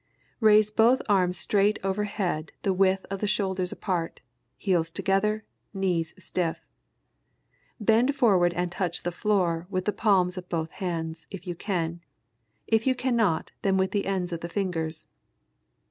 Raise both arms straight over head the width of the shoulders apart, heels together, knees stiff. Bend forward and touch the floor with the palms of both hands, if you can, if you cannot, then with the ends of the fingers.